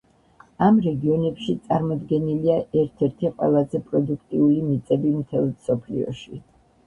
ამ რეგიონებში წარმოდგენილია ერთ-ერთი ყველაზე პროდუქტიული მიწები მთელს მსოფლიოში.